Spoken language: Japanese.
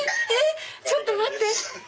ちょっと待って。